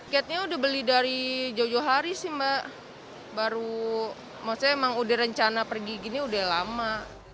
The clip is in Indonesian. kiatnya udah beli dari jauh jauh hari sih mbak baru maksudnya emang udah rencana pergi gini udah lama